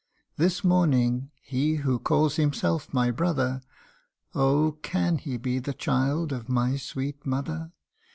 This morning he who calls himself my brother (Oh ! can he be the child of my sweet mother